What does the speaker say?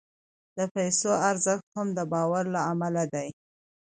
د پیسو ارزښت هم د باور له امله دی.